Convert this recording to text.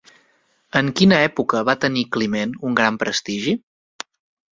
En quina època va tenir Climent un gran prestigi?